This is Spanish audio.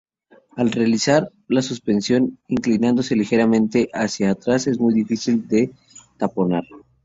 Al realizar la suspensión inclinándose ligeramente hacia atrás es muy difícil de taponar.